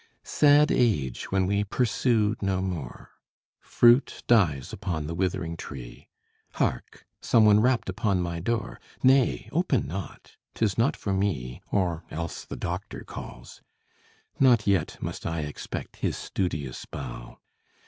Sad age, when we pursue no more Fruit dies upon the withering tree: Hark! some one rapped upon my door. Nay, open not. 'Tis not for me Or else the doctor calls. Not yet Must I expect his studious bow.